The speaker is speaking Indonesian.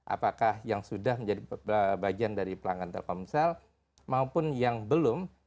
apakah yang sudah menjadi bagian dari pelanggan telkomsel maupun yang belum